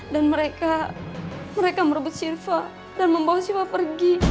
dan mereka mereka merebut siva dan membawa siva pergi